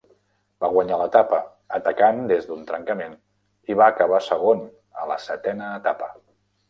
Va guanyar l'etapa, atacant des d'un trencament, i va acabar segon a la setena etapa.